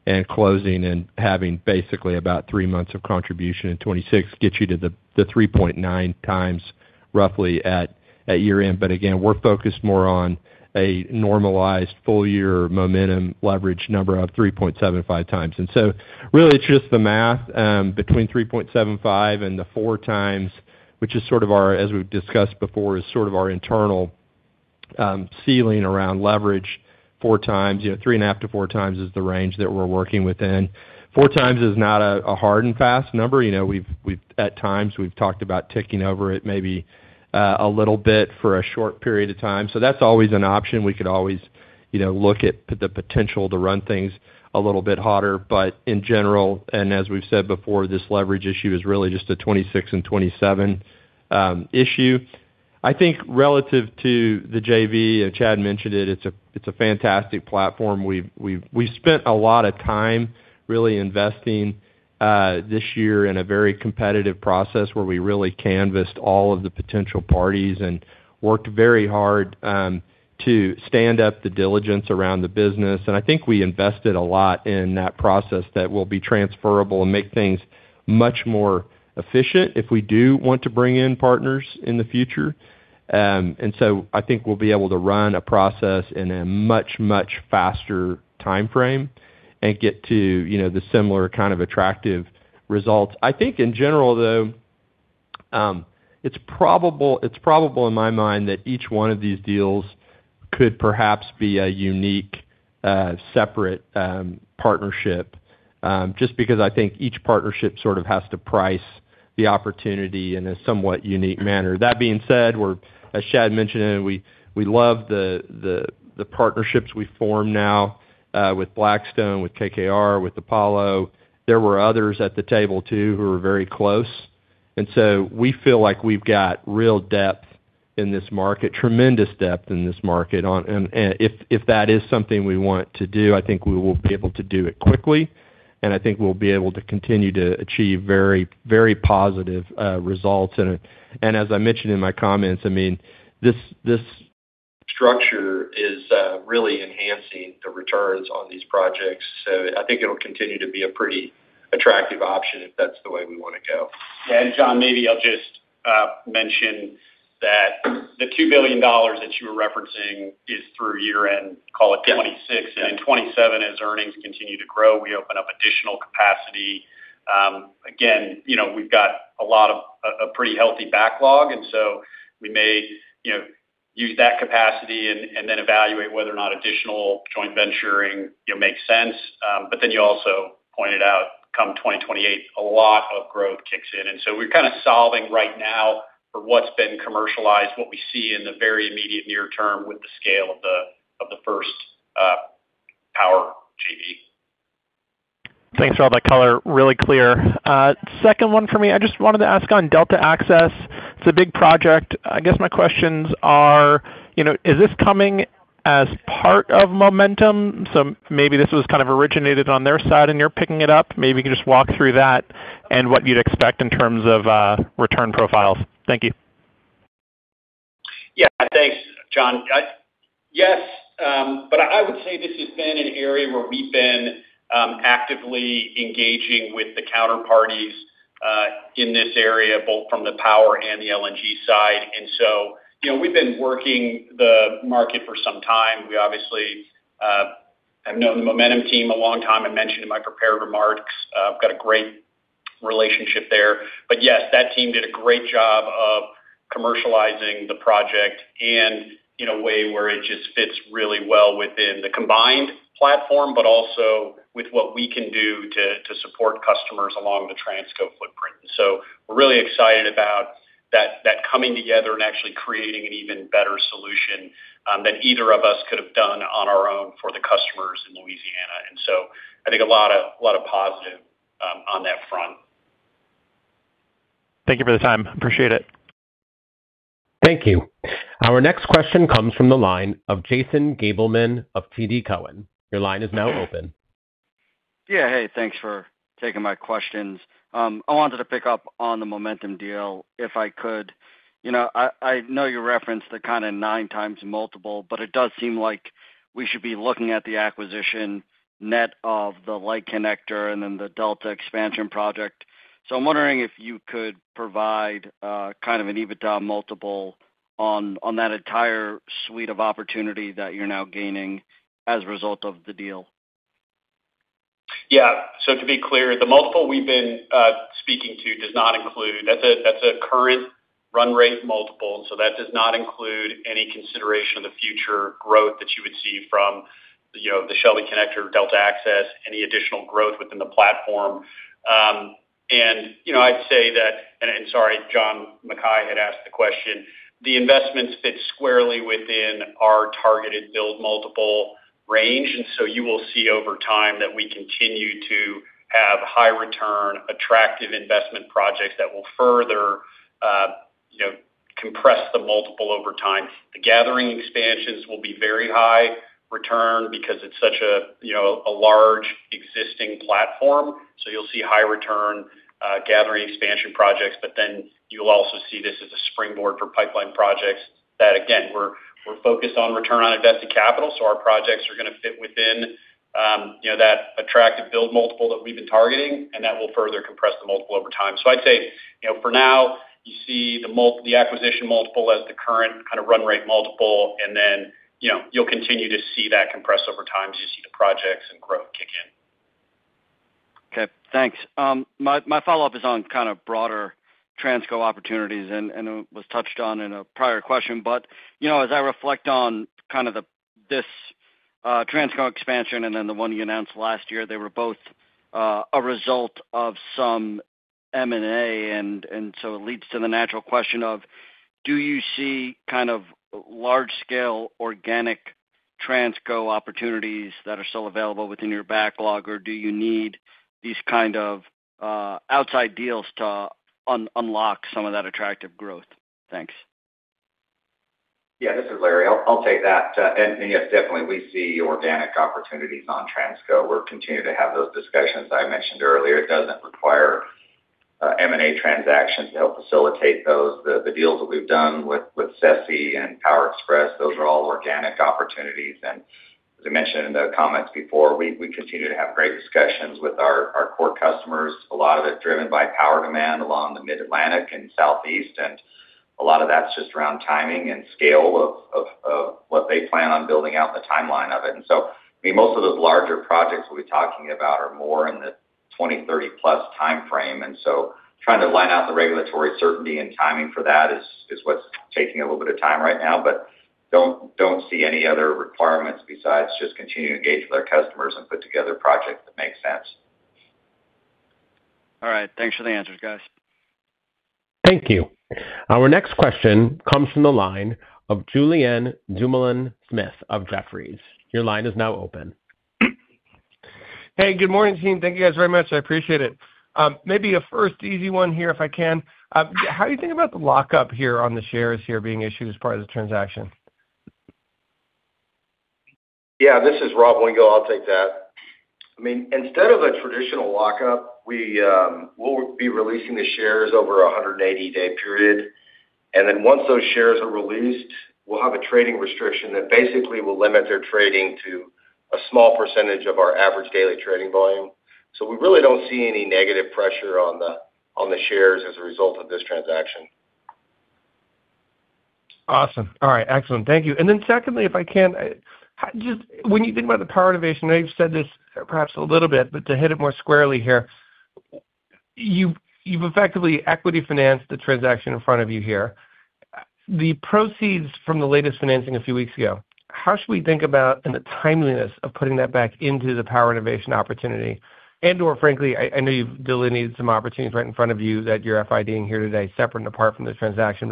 and closing and having basically about three months of contribution in 2026 gets you to the 3.9x roughly at year-end. Again, we're focused more on a normalized full-year Momentum leverage number of 3.75x. Really it's just the math between 3.75x and the 4x, which as we've discussed before, is sort of our internal ceiling around leverage 4x. 3.5x-4x is the range that we're working within. 4x is not a hard and fast number. At times, we've talked about ticking over it maybe a little bit for a short period of time. That's always an option. We could always look at the potential to run things a little bit hotter. In general, and as we've said before, this leverage issue is really just a 2026 and 2027 issue. I think relative to the JV, and Chad mentioned it's a fantastic platform. We've spent a lot of time really investing this year in a very competitive process where we really canvassed all of the potential parties and worked very hard to stand up the diligence around the business. I think we invested a lot in that process that will be transferable and make things much more efficient if we do want to bring in partners in the future. I think we'll be able to run a process in a much, much faster timeframe and get to the similar kind of attractive results. I think in general, though, it's probable in my mind that each one of these deals could perhaps be a unique separate partnership, just because I think each partnership sort of has to price the opportunity in a somewhat unique manner. That being said, as Chad mentioned, we love the partnerships we form now with Blackstone, with KKR, with Apollo. There were others at the table too who were very close. We feel like we've got real depth in this market, tremendous depth in this market. If that is something we want to do, I think we will be able to do it quickly, and I think we'll be able to continue to achieve very positive results. As I mentioned in my comments, this. Structure is really enhancing the returns on these projects. I think it'll continue to be a pretty attractive option if that's the way we want to go. John, maybe I'll just mention that the $2 billion that you were referencing is through year-end, call it 2026. In 2027, as earnings continue to grow, we open up additional capacity. Again, we've got a pretty healthy backlog, so we may use that capacity then evaluate whether or not additional joint venturing makes sense. You also pointed out, come 2028, a lot of growth kicks in. We're kind of solving right now for what's been commercialized, what we see in the very immediate near term with the scale of the first power JV. Thanks for all that color. Really clear. Second one for me, I just wanted to ask on Delta Access. It's a big project. I guess my questions are, is this coming as part of Momentum? This was kind of originated on their side and you're picking it up. You can just walk through that and what you'd expect in terms of return profiles. Thank you. Yeah. Thanks, John. I would say this has been an area where we've been actively engaging with the counterparties in this area, both from the power and the LNG side. We've been working the market for some time. We obviously have known the Momentum team a long time. I mentioned in my prepared remarks, got a great relationship there. That team did a great job of commercializing the project and in a way where it just fits really well within the combined platform, also with what we can do to support customers along the Transco footprint. We're really excited about that coming together and actually creating an even better solution than either of us could have done on our own for the customers in Louisiana. I think a lot of positive on that front. Thank you for the time. Appreciate it. Thank you. Our next question comes from the line of Jason Gabelman of TD Cowen. Your line is now open. Yeah. Hey, thanks for taking my questions. I wanted to pick up on the Momentum deal if I could. I know you referenced the kind of nine times multiple, but it does seem like we should be looking at the acquisition net of the Shelby Connector and then the Delta expansion project. I'm wondering if you could provide kind of an EBITDA multiple on that entire suite of opportunity that you're now gaining as a result of the deal. Yeah. To be clear, the multiple we've been speaking to that's a current run rate multiple, that does not include any consideration of the future growth that you would see from the Shelby Connector, Delta Access, any additional growth within the platform. I'd say that, and sorry, John Mackay had asked the question, the investments fit squarely within our targeted build multiple range. You will see over time that we continue to have high return, attractive investment projects that will further compress the multiple over time. The gathering expansions will be very high return because it's such a large existing platform. You'll see high return, gathering expansion projects, but then you'll also see this as a springboard for pipeline projects that, again, we're focused on return on invested capital. Our projects are going to fit within that attractive build multiple that we've been targeting, and that will further compress the multiple over time. I'd say, for now, you see the acquisition multiple as the current kind of run rate multiple, and then you'll continue to see that compress over time as you see the projects and growth kick in. Okay, thanks. My follow-up is on kind of broader Transco opportunities. It was touched on in a prior question. As I reflect on kind of this Transco expansion and then the one you announced last year, they were both a result of some M&A. It leads to the natural question of, do you see kind of large-scale organic Transco opportunities that are still available within your backlog, or do you need these kind of outside deals to unlock some of that attractive growth? Thanks. Yeah, this is Larry. I'll take that. Yes, definitely, we see organic opportunities on Transco. We're continuing to have those discussions I mentioned earlier. It doesn't require M&A transactions to help facilitate those. The deals that we've done with SESE and Power Express, those are all organic opportunities. As I mentioned in the comments before, we continue to have great discussions with our core customers. A lot of it driven by power demand along the Mid-Atlantic and Southeast. A lot of that's just around timing and scale of what they plan on building out and the timeline of it. Most of those larger projects we're talking about are more in the 2030+ timeframe. Trying to line out the regulatory certainty and timing for that is what's taking a little bit of time right now. Don't see any other requirements besides just continuing to engage with our customers and put together projects that make sense. All right. Thanks for the answers, guys. Thank you. Our next question comes from the line of Julien Dumoulin-Smith of Jefferies. Your line is now open. Hey, good morning, team. Thank you guys very much. I appreciate it. Maybe a first easy one here, if I can. How do you think about the lockup here on the shares here being issued as part of the transaction? Yeah, this is Rob Wingo. I'll take that. Instead of a traditional lockup, we'll be releasing the shares over a 180-day period, and then once those shares are released, we'll have a trading restriction that basically will limit their trading to a small percentage of our average daily trading volume. We really don't see any negative pressure on the shares as a result of this transaction. Awesome. All right, excellent. Thank you. Secondly, if I can, just when you think about the Power Innovation, I know you've said this perhaps a little bit, but to hit it more squarely here, you've effectively equity financed the transaction in front of you here. The proceeds from the latest financing a few weeks ago, how should we think about the timeliness of putting that back into the Power Innovation opportunity and/or frankly, I know you've delineated some opportunities right in front of you that you're FID-ing here today, separate and apart from the transaction.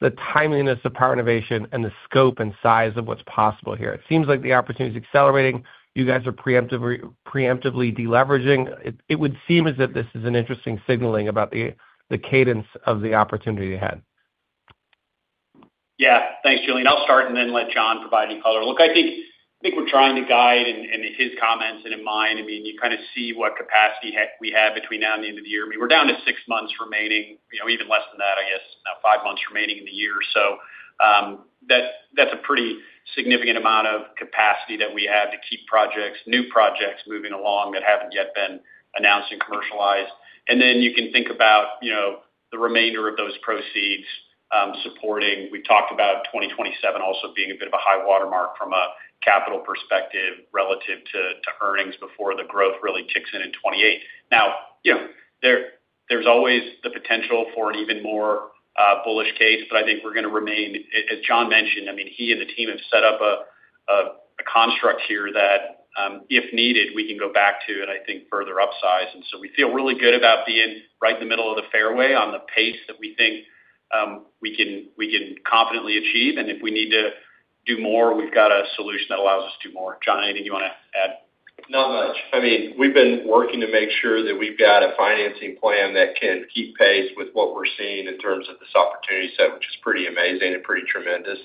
The timeliness of Power Innovation and the scope and size of what's possible here. It seems like the opportunity is accelerating. You guys are preemptively de-leveraging. It would seem as if this is an interesting signaling about the cadence of the opportunity you had. Yeah. Thanks, Julien. I'll start and then let John provide any color. Look, I think we're trying to guide in his comments and in mine. You kind of see what capacity we have between now and the end of the year. We're down to six months remaining, even less than that, I guess, now five months remaining in the year. That's a pretty significant amount of capacity that we have to keep projects, new projects, moving along that haven't yet been announced and commercialized. You can think about the remainder of those proceeds supporting, we talked about 2027 also being a bit of a high watermark from a capital perspective relative to earnings before the growth really kicks in in 2028. There's always the potential for an even more bullish case, but I think we're going to remain, as John mentioned, he and the team have set up a construct here that, if needed, we can go back to and I think further upsize. We feel really good about being right in the middle of the fairway on the pace that we think we can confidently achieve. If we need to do more, we've got a solution that allows us to do more. John, anything you want to add? Not much. We've been working to make sure that we've got a financing plan that can keep pace with what we're seeing in terms of this opportunity set, which is pretty amazing and pretty tremendous.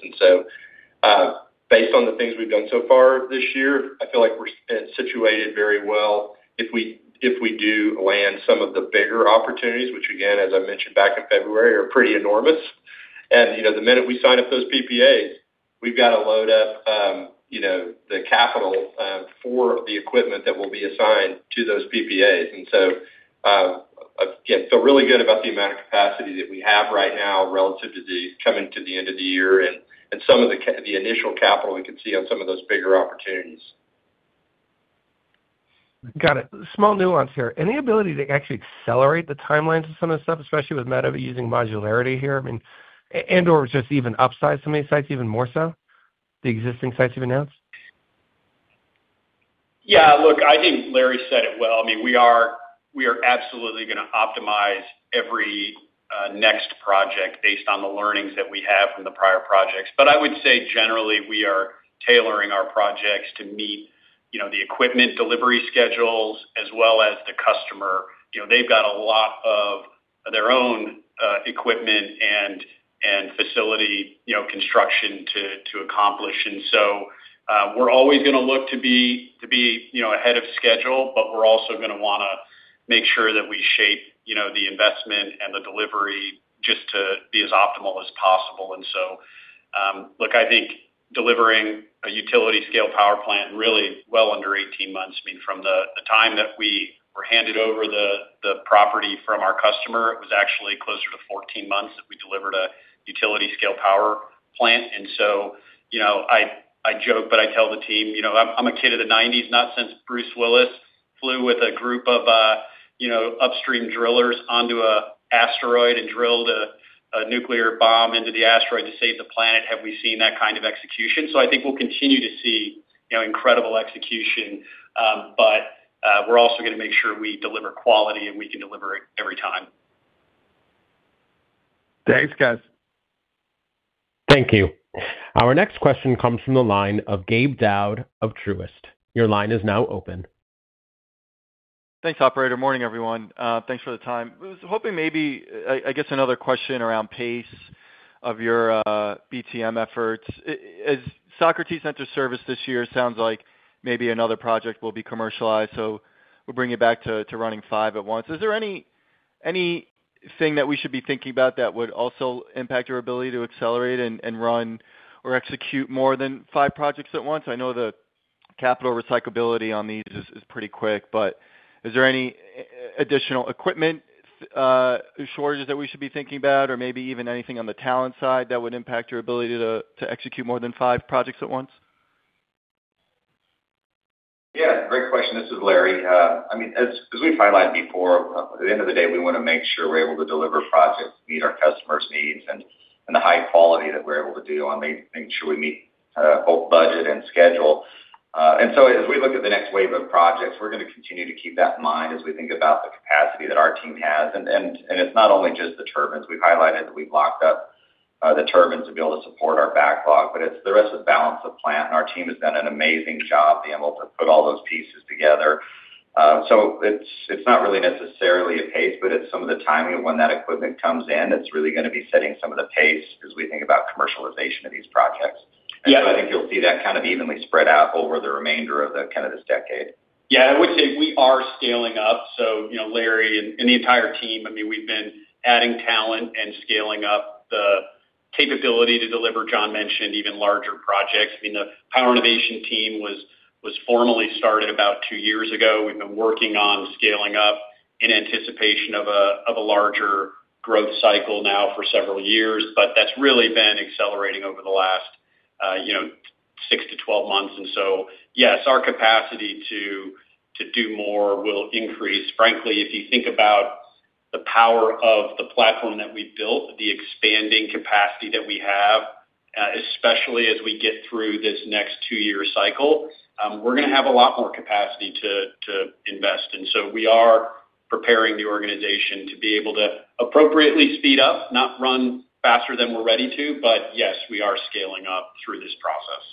Based on the things we've done so far this year, I feel like we're situated very well if we do land some of the bigger opportunities, which again, as I mentioned back in February, are pretty enormous. The minute we sign up those PPAs, we've got to load up the capital for the equipment that will be assigned to those PPAs. Yeah. Feel really good about the amount of capacity that we have right now relative to coming to the end of the year and some of the initial capital we could see on some of those bigger opportunities. Got it. Small nuance here. Any ability to actually accelerate the timelines of some of this stuff, especially with Meadowview using modularity here? And/or just even upsize some of these sites even more so, the existing sites you've announced? Yeah. Look, I think Larry said it well. We are absolutely going to optimize every next project based on the learnings that we have from the prior projects. I would say generally, we are tailoring our projects to meet the equipment delivery schedules as well as the customer. They've got a lot of their own equipment and facility construction to accomplish. We're always going to look to be ahead of schedule, but we're also going to want to make sure that we shape the investment and the delivery just to be as optimal as possible. Look, I think delivering a utility scale power plant really well under 18 months. From the time that we were handed over the property from our customer, it was actually closer to 14 months that we delivered a utility scale power plant. I joke, but I tell the team, I'm a kid of the 1990s, not since Bruce Willis flew with a group of upstream drillers onto a asteroid and drilled a nuclear bomb into the asteroid to save the planet have we seen that kind of execution. I think we'll continue to see incredible execution. We're also going to make sure we deliver quality and we can deliver it every time. Thanks, guys. Thank you. Our next question comes from the line of Gabe Daoud of Truist. Your line is now open. Thanks, operator. Morning, everyone. Thanks for the time. Was hoping maybe, I guess another question around pace of your BTM efforts. As Socrates enters service this year, sounds like maybe another project will be commercialized, so we'll bring you back to running five at once. Is there anything that we should be thinking about that would also impact your ability to accelerate and run or execute more than five projects at once? I know the capital recyclability on these is pretty quick, but is there any additional equipment shortages that we should be thinking about or maybe even anything on the talent side that would impact your ability to execute more than five projects at once? Yeah. Great question. This is Larry. As we've highlighted before, at the end of the day, we want to make sure we're able to deliver projects to meet our customers' needs and the high quality that we're able to do and make sure we meet both budget and schedule. As we look at the next wave of projects, we're going to continue to keep that in mind as we think about the capacity that our team has. It's not only just the turbines. We've highlighted that we've locked up the turbines to be able to support our backlog, but it's the rest of the balance of plant, and our team has done an amazing job being able to put all those pieces together. It's not really necessarily a pace, but it's some of the timing of when that equipment comes in that's really going to be setting some of the pace as we think about commercialization of these projects. I think you'll see that kind of evenly spread out over the remainder of this decade. I would say we are scaling up. Larry and the entire team, we've been adding talent and scaling up the capability to deliver, John mentioned, even larger projects. The Power Innovation team was formally started about two years ago. We've been working on scaling up in anticipation of a larger growth cycle now for several years. That's really been accelerating over the last 6-12 months. Yes, our capacity to do more will increase. Frankly, if you think about the power of the platform that we've built, the expanding capacity that we have, especially as we get through this next two-year cycle, we're going to have a lot more capacity to invest in. We are preparing the organization to be able to appropriately speed up, not run faster than we're ready to, but yes, we are scaling up through this process.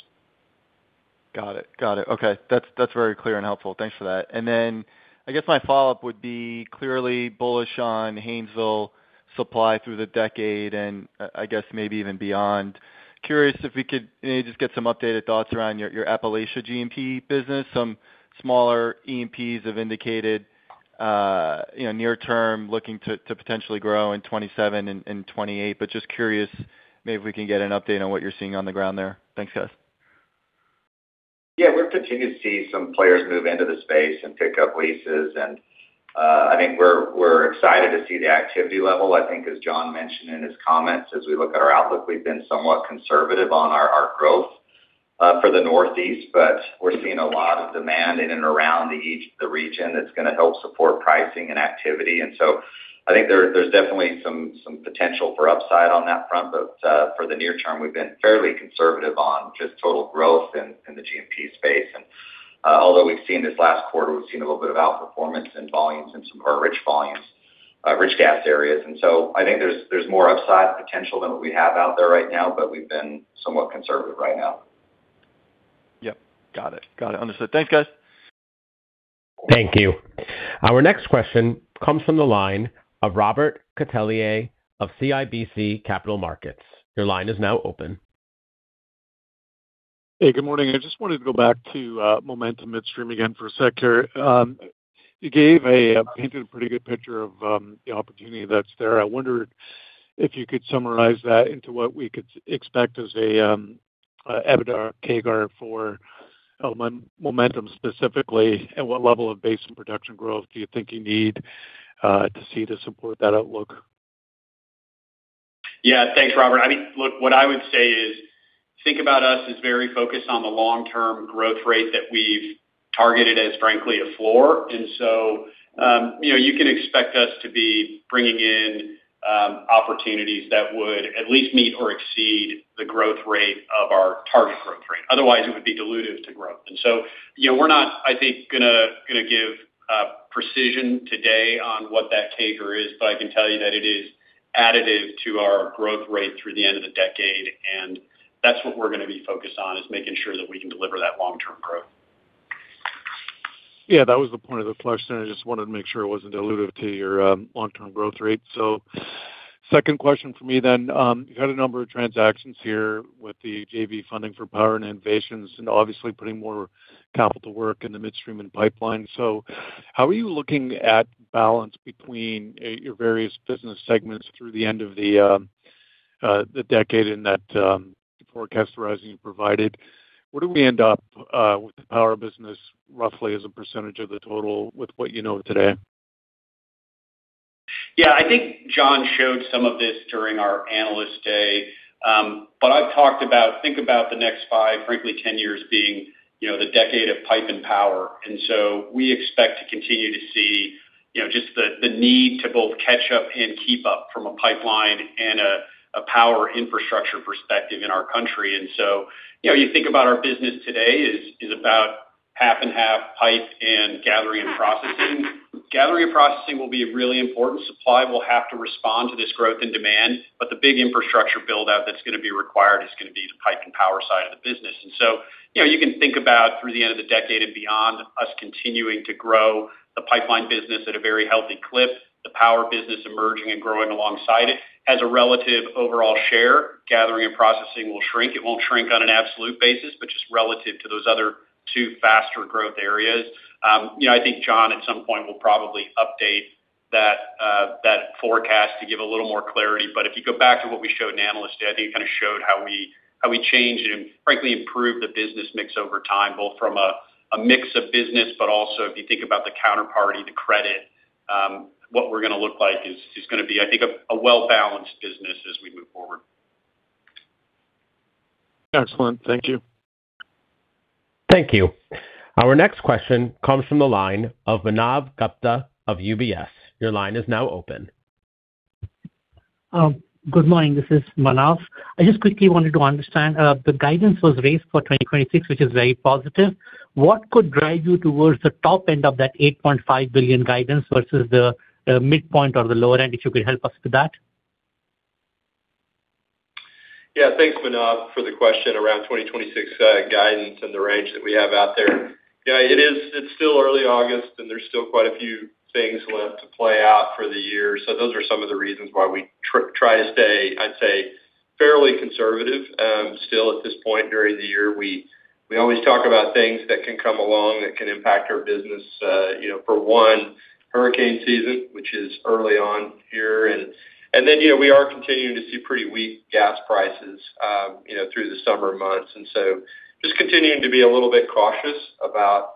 Got it. Okay. That's very clear and helpful. Thanks for that. Then I guess my follow-up would be clearly bullish on Haynesville supply through the decade and I guess maybe even beyond. Curious if we could maybe just get some updated thoughts around your Northeast G&P business. Some smaller E&Ps have indicated near term looking to potentially grow in 2027 and 2028. Just curious, maybe if we can get an update on what you're seeing on the ground there. Thanks, guys. We're continuing to see some players move into the space and pick up leases and I think we're excited to see the activity level. I think as John mentioned in his comments, as we look at our outlook, we've been somewhat conservative on our growth for the Northeast, but we're seeing a lot of demand in and around the region that's going to help support pricing and activity. I think there's definitely some potential for upside on that front. For the near term, we've been fairly conservative on just total growth in the G&P space. Although we've seen this last quarter, we've seen a little bit of outperformance in volumes in some of our rich volumes, rich gas areas. I think there's more upside potential than what we have out there right now, but we've been somewhat conservative right now. Got it. Understood. Thanks, guys. Thank you. Our next question comes from the line of Robert Catellier of CIBC Capital Markets. Your line is now open. Hey, good morning. I just wanted to go back to Momentum Midstream again for a sec here. You painted a pretty good picture of the opportunity that's there. I wondered if you could summarize that into what we could expect as a EBITDA CAGR for Momentum specifically, and what level of basin production growth do you think you need to see to support that outlook? Yeah, thanks, Robert. I mean, look, what I would say is, think about us as very focused on the long-term growth rate that we've targeted as frankly a floor. You can expect us to be bringing in opportunities that would at least meet or exceed the growth rate of our target growth rate. Otherwise, it would be dilutive to growth. We're not, I think, going to give precision today on what that CAGR is, but I can tell you that it is additive to our growth rate through the end of the decade. That's what we're going to be focused on, is making sure that we can deliver that long-term growth. Yeah, that was the point of the question. I just wanted to make sure it wasn't dilutive to your long-term growth rate. Second question for me then. You've had a number of transactions here with the JV funding for Power Innovation and obviously putting more capital work in the midstream and pipeline. How are you looking at balance between your various business segments through the end of the decade in that forecast horizon you provided? Where do we end up with the Power business roughly as a percentage of the total with what you know today? Yeah, I think John showed some of this during our Analyst Day. I've talked about think about the next five, frankly, 10 years being the decade of pipe and power. We expect to continue to see just the need to both catch up and keep up from a pipeline and a power infrastructure perspective in our country. You think about our business today is about half and half pipe and gathering and processing. Gathering and processing will be really important. Supply will have to respond to this growth in demand, but the big infrastructure build-out that's going to be required is going to be the pipe and power side of the business. You can think about through the end of the decade and beyond us continuing to grow the pipeline business at a very healthy clip, the power business emerging and growing alongside it. As a relative overall share, gathering and processing will shrink. It won't shrink on an absolute basis, but just relative to those other two faster growth areas. I think John at some point will probably update that forecast to give a little more clarity. If you go back to what we showed in Analyst Day, I think it kind of showed how we changed and frankly improved the business mix over time, both from a mix of business, but also if you think about the counterparty, the credit, what we're going to look like is going to be, I think, a well-balanced business as we move forward. Excellent. Thank you. Thank you. Our next question comes from the line of Manav Gupta of UBS. Your line is now open. Good morning. This is Manav. I just quickly wanted to understand, the guidance was raised for 2026, which is very positive. What could drive you towards the top end of that $8.5 billion guidance versus the midpoint or the lower end, if you could help us with that? Thanks, Manav, for the question around 2026 guidance and the range that we have out there. It's still early August, and there's still quite a few things left to play out for the year. Those are some of the reasons why we try to stay, I'd say, fairly conservative still at this point during the year. We always talk about things that can come along that can impact our business. For one, hurricane season, which is early on here, and then we are continuing to see pretty weak gas prices through the summer months. Just continuing to be a little bit cautious about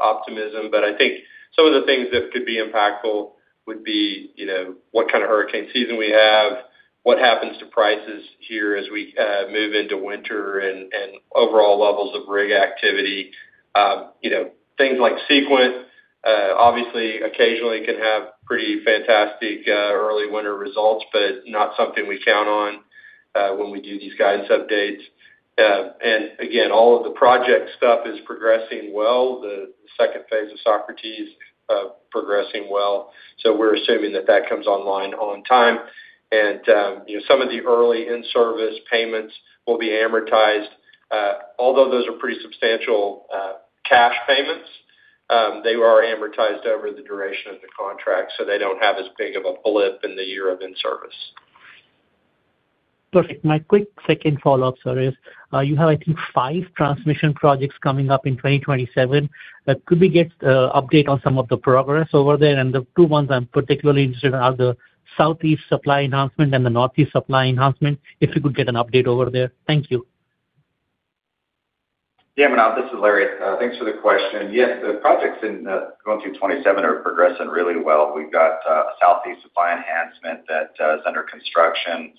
optimism, but I think some of the things that could be impactful would be what kind of hurricane season we have, what happens to prices here as we move into winter, and overall levels of rig activity. Things like Sequent, obviously occasionally can have pretty fantastic early winter results, but not something we count on when we do these guidance updates. Again, all of the project stuff is progressing well. The Phase 2 of Socrates progressing well. We're assuming that that comes online on time. Some of the early in-service payments will be amortized. Although those are pretty substantial cash payments, they are amortized over the duration of the contract, so they don't have as big of a blip in the year of in-service. Perfect. My quick second follow-up, sorry, is you have I think five transmission projects coming up in 2027. Could we get an update on some of the progress over there? The two ones I'm particularly interested in are the Southeast Supply Enhancement and the Northeast Supply Enhancement, if we could get an update over there. Thank you. Yeah, Manav, this is Larry. Thanks for the question. Yes, the projects going through 2027 are progressing really well. We've got a Southeast Supply Enhancement that is under construction.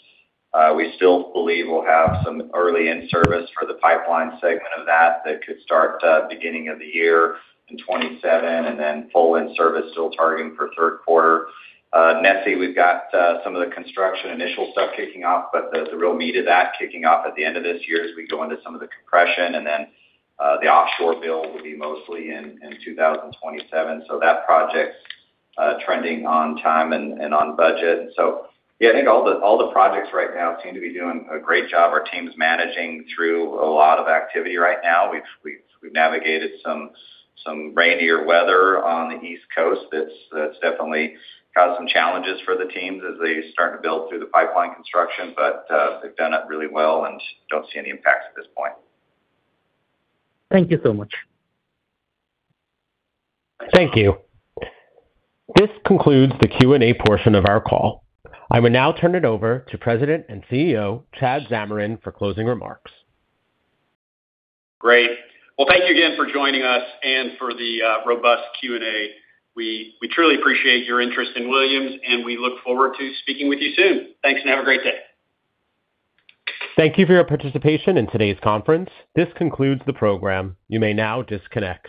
We still believe we'll have some early in-service for the pipeline segment of that that could start beginning of the year in 2027, and then full in-service still targeting for third quarter. NESE, we've got some of the construction initial stuff kicking off, but the real meat of that kicking off at the end of this year as we go into some of the compression, and then the offshore build will be mostly in 2027. That project's trending on time and on budget. Yeah, I think all the projects right now seem to be doing a great job. Our team is managing through a lot of activity right now. We've navigated some rainier weather on the East Coast that's definitely caused some challenges for the teams as they start to build through the pipeline construction. They've done it really well and don't see any impacts at this point. Thank you so much. Thank you. This concludes the Q&A portion of our call. I will now turn it over to President and CEO, Chad Zamarin, for closing remarks. Great. Well, thank you again for joining us and for the robust Q&A. We truly appreciate your interest in Williams, and we look forward to speaking with you soon. Thanks, and have a great day. Thank you for your participation in today's conference. This concludes the program. You may now disconnect.